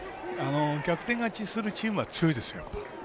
逆転勝ちするチームは強いですよ。